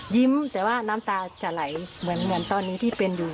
แต่ว่าน้ำตาจะไหลเหมือนตอนนี้ที่เป็นอยู่